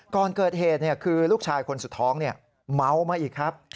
ก่อนเกิดเหตุคือลูกชายคนสุดท้องเมามาอีกครับ